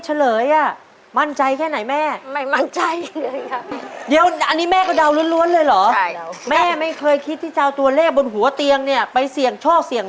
ขอพรจากหลวงพ่อตะวันนี่เอง